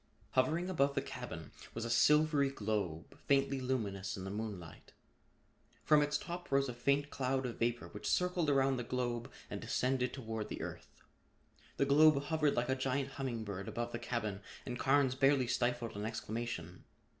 Hovering above the cabin was a silvery globe, faintly luminous in the moonlight. From its top rose a faint cloud of vapor which circled around the globe and descended toward the earth. The globe hovered like a giant humming bird above the cabin and Carnes barely stifled an exclamation.